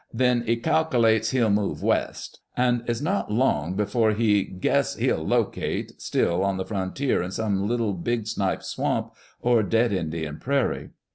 Then he "kalk' lates he'll move West ;" and is not long before he " guess he'll locate" — still on the frontier in some Little Big Snipe Swamp, or Dead Indian Prairie.